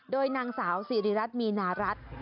โดยนางสาวสิริรัตนมีนารัฐ